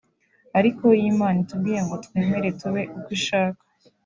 Ariko iyo Imana itubwiye ngo twemere tube uko ishaka